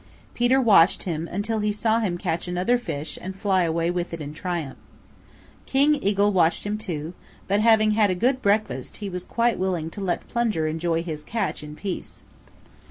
Peter watched him until he saw him catch another fish and fly away with it in triumph. King Eagle watched him, too, but having had a good breakfast he was quite willing to let Plunger enjoy his catch in peace.